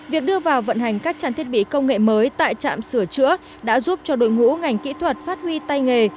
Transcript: việc đưa vào vận hành các trang thiết bị công nghệ mới tại trạm sửa chữa đã giúp cho đội ngũ ngành kỹ thuật phát huy tay nghề